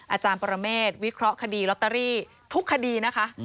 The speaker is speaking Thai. อาจารย์ปรเมฆวิเคราะห์คดีลอตเตอรี่ทุกคดีนะคะ